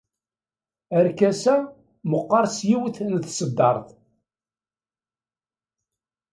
Arkas-a meqqer s yiwet n tṣeddart.